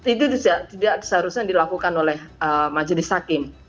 itu tidak seharusnya dilakukan oleh majelis hakim